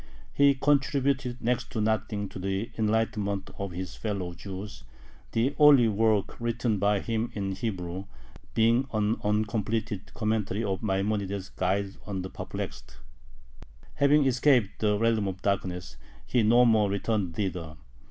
He contributed next to nothing to the enlightenment of his fellow Jews, the only work written by him in Hebrew being an uncompleted commentary on Maimonides' "Guide of the Perplexed." Having escaped the realm of darkness, he no more returned thither.